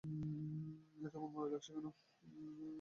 এত মনমরা লাগছে কেন?